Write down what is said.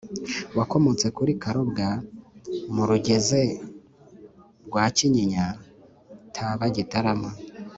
wakomotse kuri karobwa mu ruzege rwa kanyinya (taba-gitarama)